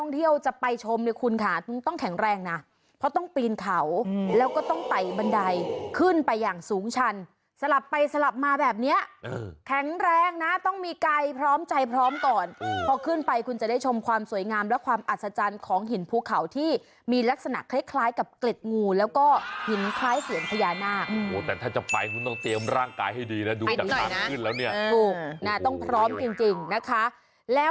ที่นี่ไม่มีน้ำมีแต่เขา